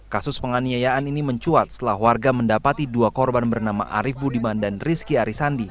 kasus penganiayaan ini mencuat setelah warga mendapati dua korban bernama arief budiman dan rizky arisandi